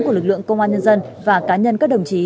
của lực lượng công an nhân dân và cá nhân các đồng chí